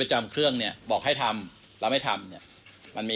ประจำเครื่องบอกให้ทำแล้วไม่ทำ